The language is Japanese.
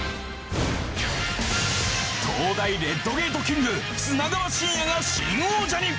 東大レッドゲートキング砂川信哉が新王者に！